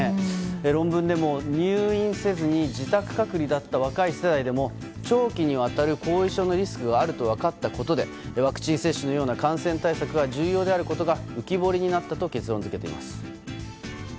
論文でも、入院せずに自宅隔離だった若い世代でも長期にわたる後遺症のリスクがあると分かったことでワクチン接種のような感染対策が重要であることが浮き彫りになったと結論付けています。